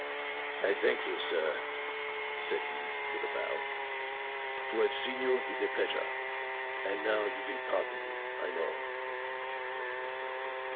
"I thank you, sir," said he, with a bow. "To have seen you is a pleasure. And now you will pardon me, I know."